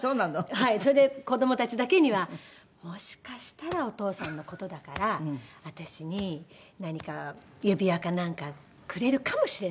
はいそれで子どもたちだけには「もしかしたらお父さんの事だから私に何か指輪かなんかくれるかもしれないのよ」。